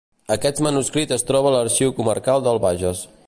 Aquest manuscrit es troba a l'Arxiu Comarcal del Bages.